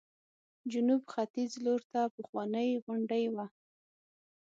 جنوب ختیځ لورته پخوانۍ غونډۍ وه.